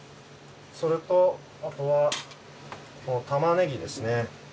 それとあとはタマネギですね。